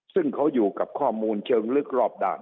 ซึ่งเขาอยู่กับข้อมูลเชิงลึกรอบด้าน